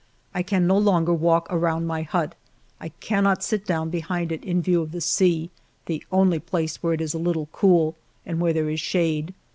I can no longer walk around my hut, I cannot sit down behind it in view of the sea, — the only place where it is a little cool, and where there is shade.